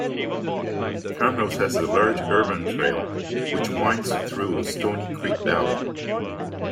Camrose has a large urban trail system which winds through Stoney Creek Valley.